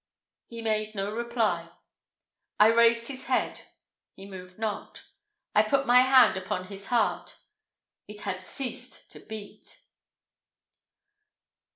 He made no reply I raised his head he moved not I put my hand upon his heart it had ceased to beat!